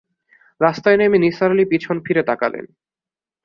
রাস্তায় নেমে নিসার আলি পিছন ফিরে তাকালেন।